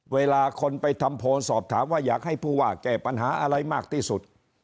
เวลาคนไปทำโพลสอบถามว่าอยากให้ผู้ว่าแก้ปัญหาอะไรมากที่สุด